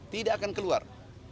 tidak akan keluar